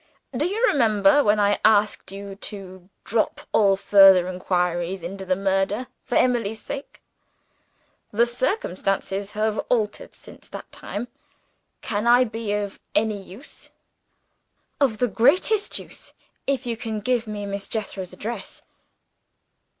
Do you remember when I asked you to drop all further inquiries into the murder, for Emily's sake? The circumstances have altered since that time. Can I be of any use?" "Of the greatest use, if you can give me Miss Jethro's address."